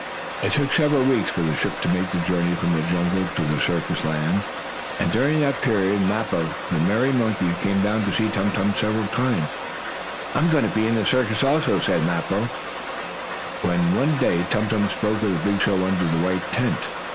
It took several weeks for the ship to make the journey from jungle land to circus land, and, during that period, Mappo, the merry monkey, came down to see Tum Tum several times. "I am going to be in the circus, also," said Mappo, when one day Tum Tum spoke of the big show under the white tent.